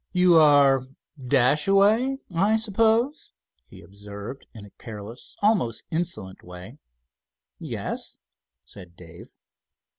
"You are Dashaway, I suppose?" he observed in a careless, almost insolent way. "Yes," said Dave.